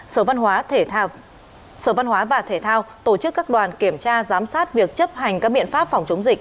sở văn hóa và thể thao tổ chức các đoàn kiểm tra giám sát việc chấp hành các biện pháp phòng chống dịch